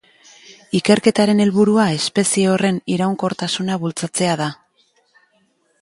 Ikerketaren helburua espezie horren iraunkortasuna bultzatzea da.